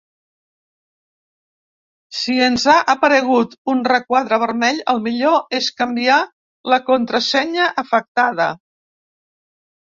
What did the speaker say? Si ens ha aparegut un requadre vermell, el millor és canviar la contrasenya afectada.